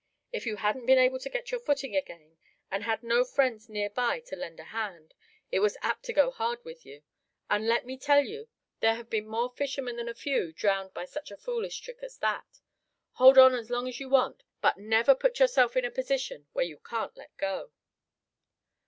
If you hadn't been able to get your footing again, and had no friends near by to lend a hand, it was apt to go hard with you. And let me tell you there have been more fishermen than a few drowned by just such a foolish trick as that. Hold on as long as you want, but never put yourself in a position where you can't let go."